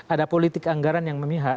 ada politik anggaran yang memihak